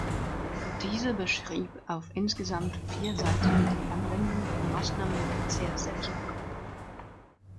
Diese beschrieb auf insgesamt vier Seiten die „Anwendung von Maßnahmen der Zersetzung“.